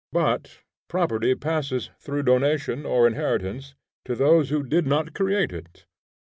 But property passes through donation or inheritance to those who do not create it.